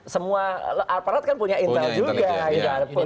semua aparat kan punya intel juga